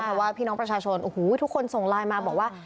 เพราะว่าพี่น้องประชาชนโอ้โหทุกคนส่งไลน์มาบอกว่า